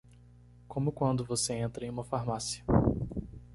Como quando você entra em uma farmácia.